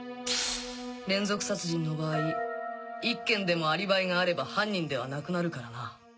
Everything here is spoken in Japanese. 連続殺人の場合１件でもアリバイがあれば犯人ではなくなるからな。